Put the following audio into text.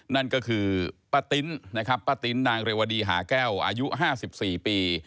นั่นก็คือป้าติ๊นนะครับป้าติ๊นนางเรวดีหาแก้วอายุ๕๔ปี